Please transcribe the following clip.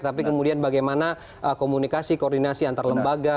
tapi kemudian bagaimana komunikasi koordinasi antar lembaga